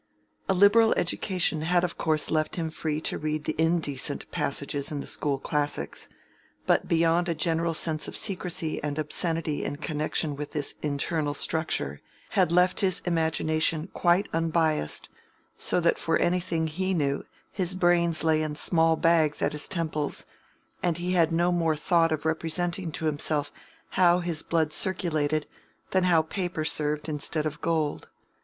A liberal education had of course left him free to read the indecent passages in the school classics, but beyond a general sense of secrecy and obscenity in connection with his internal structure, had left his imagination quite unbiassed, so that for anything he knew his brains lay in small bags at his temples, and he had no more thought of representing to himself how his blood circulated than how paper served instead of gold.